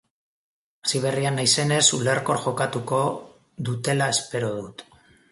Hasiberria naizenez, ulerkor jokatuko dutela espero dut.